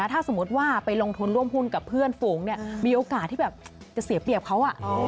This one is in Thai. ถ้าสมมุติว่าไปลงทุนร่วมหุ้นกับเพื่อนฝูงมีโอกาสที่แบบจะเสียเปรียบเขา